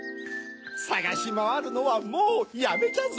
さがしまわるのはもうやめじゃぞ！